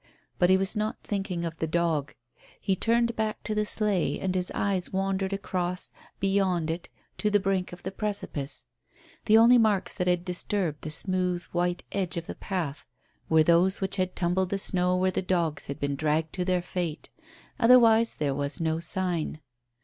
But he was not thinking of the dog. He turned back to the sleigh, and his eyes wandered across, beyond it, to the brink of the precipice. The only marks that had disturbed the smooth white edge of the path were those which had tumbled the snow where the dogs had been dragged to their fate. Otherwise there was no sign.